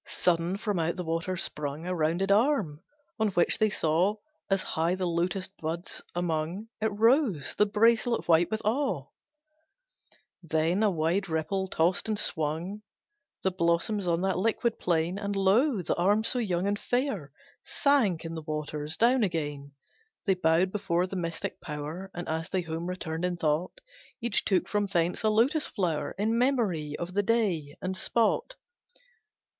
Sudden from out the water sprung A rounded arm, on which they saw As high the lotus buds among It rose, the bracelet white, with awe. Then a wide ripple tost and swung The blossoms on that liquid plain, And lo! the arm so fair and young Sank in the waters down again. They bowed before the mystic Power, And as they home returned in thought, Each took from thence a lotus flower In memory of the day and spot.